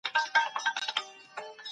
وطن د مینې او ورورولۍ اصلي مرکز دی.